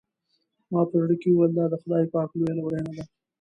ما په زړه کې وویل دا د خدای پاک لویه لورېینه ده.